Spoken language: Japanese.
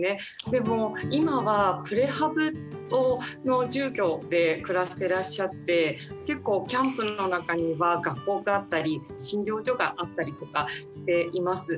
でも今はプレハブの住居で暮らしてらっしゃって結構キャンプの中には学校があったり診療所があったりとかしています。